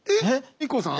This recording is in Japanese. ＩＫＫＯさん？